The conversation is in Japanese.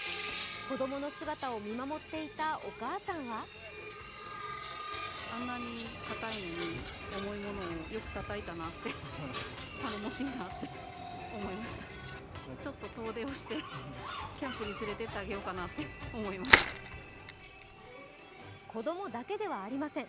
子供の姿を見守っていたお母さんは子供だけではありません。